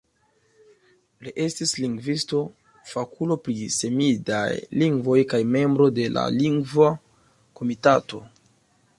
Li estis lingvisto, fakulo pri semidaj lingvoj kaj membro de la Lingva Komitato.